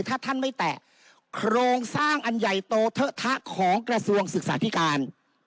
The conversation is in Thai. ถ้าท่านไม่แตะโครงสร้างอันใหญ่โตเทอะทะของกระทรวงศึกษาธิการ